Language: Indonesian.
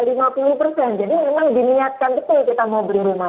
jadi memang diminatkan betul kita mau beli rumah